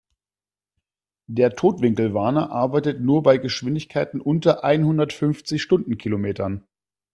Der Totwinkelwarner arbeitet nur bei Geschwindigkeiten unter einhundertfünfzig Stundenkilometern.